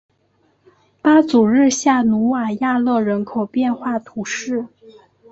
巴祖日下努瓦亚勒人口变化图示